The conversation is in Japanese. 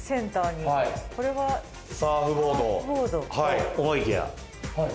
これは。と思いきや。